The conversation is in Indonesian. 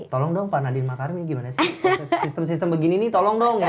tolong dong pak nadiem makarim gimana sih sistem sistem begini nih tolong dong ya